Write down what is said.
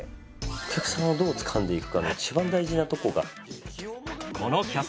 お客さんをどうつかんでいくかの一番大事なとこが。